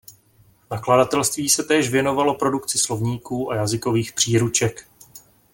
Nakladatelství se též věnovalo produkci slovníků a jazykových příruček.